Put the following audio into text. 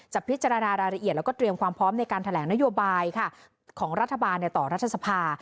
พิจารณารายละเอียดแล้วก็เตรียมความพร้อมในการแถลงนโยบายของรัฐบาลต่อรัฐสภา